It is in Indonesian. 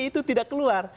itu tidak keluar